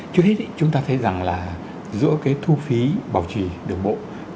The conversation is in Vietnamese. trước hết chúng ta thấy rằng là giữa cái thu phí bảo trì đường bộ